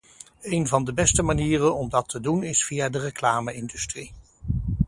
Een van de beste manieren om dat te doen is via de reclame-industrie.